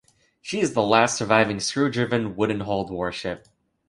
She is the last surviving screw-driven, wooden-hulled warship.